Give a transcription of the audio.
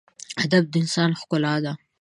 ادب د انسان ښکلا ده.